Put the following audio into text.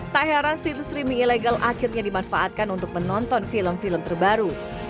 tak heran situs streaming ilegal akhirnya dimanfaatkan untuk menonton film film terbaru